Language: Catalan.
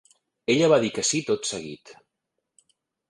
Ella va dir que sí tot seguit